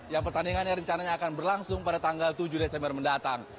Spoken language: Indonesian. yang pertandingannya rencananya akan berlangsung pada tanggal tujuh desember mendatang